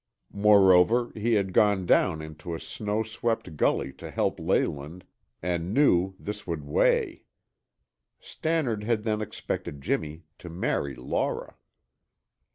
Moreover, he had gone down into a snow swept gully to help Leyland and knew this would weigh. Stannard had then expected Jimmy to marry Laura.